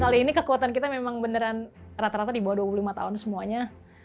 kali ini kekuatan kita memang beneran rata rata di bawah dua puluh lima tahun semuanya